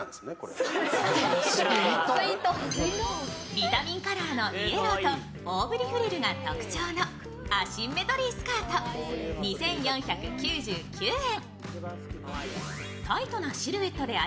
ビタミンカラーのイエローと大ぶりフリルが特徴のアシンメトリースカート２４９９円。